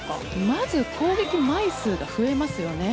まず、攻撃枚数が増えますよね。